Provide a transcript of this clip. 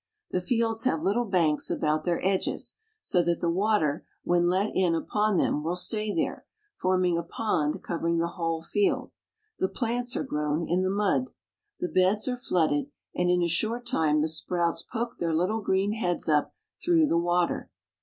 The fields have little banks about their edges, so that the water, when let in upon them, will stay there, forming a pond covering the whole field. The plants are grown in the mud. The beds are flooded, and in a short time the sprouts poke their little green heads up through the water.